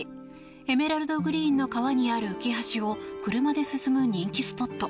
エメラルドグリーンの川にある浮橋を車で進む人気スポット。